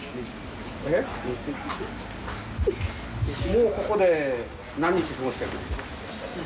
もうここで何日過ごしているんですか？